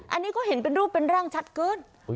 อันนี้ก็เห็นเป็นรูปเป็นร่างชัดขึ้น